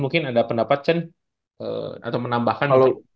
mungkin ada pendapat kan atau menambahkan